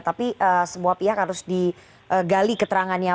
tapi semua pihak harus digali keterangannya